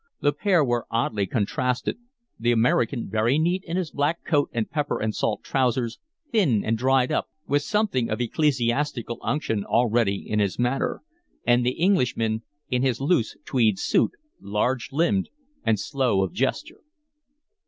The pair were oddly contrasted: the American very neat in his black coat and pepper and salt trousers, thin and dried up, with something of ecclesiastical unction already in his manner; and the Englishman in his loose tweed suit, large limbed and slow of gesture.